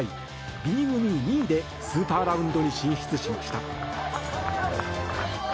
Ｂ組２位でスーパーラウンドに進出しました。